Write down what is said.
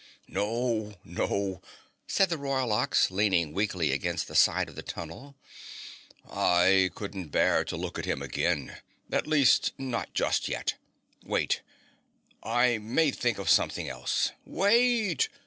"No! No!" said the Royal Ox, leaning weakly against the side of the tunnel. "I couldn't bear to look at him again, at least, not just yet. Wait! I may think of something else! WAIT!"